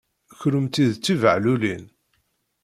Kennemti d tibehlulin!